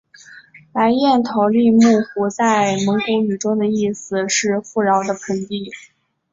白彦陶力木湖在蒙古语中的意思是富饶的盆地。